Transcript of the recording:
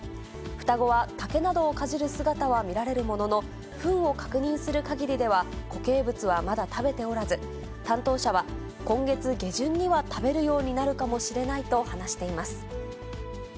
双子は竹などをかじる姿は見られるものの、ふんを確認する限りでは、固形物はまだ食べておらず、担当者は、今月下旬には食べるようになるかもしれないと話しています。